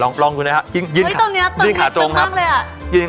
ลองลองดูนะฮะยิ่งยิ่งขาตรงเนี้ยยิ่งขาตรงมากเลยอ่ะยิ่ง